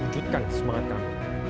wujudkan semangat kami